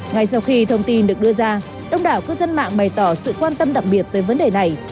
ngay sau khi thông tin được đưa ra đông đảo cư dân mạng bày tỏ sự quan tâm đặc biệt tới vấn đề này